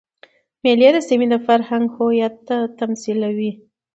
مېلې د سیمي د فرهنګ هویت تمثیلوي.